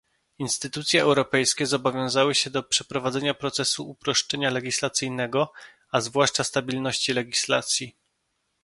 Instytucje europejskie zobowiązały się do przeprowadzenia procesu uproszczenia legislacyjnego, a zwłaszcza stabilności legislacji